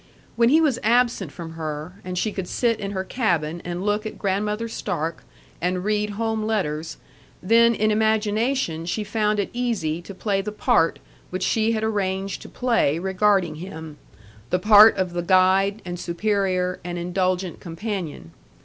When he was absent from her, and she could sit in her cabin and look at Grandmother Stark, and read home letters, then in imagination she found it easy to play the part which she had arranged to play regarding him the part of the guide, and superior, and indulgent companion.